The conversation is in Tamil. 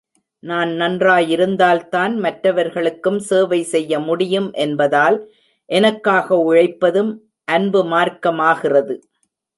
நான் நன்றாயிருந்தால்தான் மற்றவர்களுக்கும் சேவை செய்ய முடியும் என்பதால், எனக்காக உழைப்பதும் அன்பு மார்க்கமாகிறது!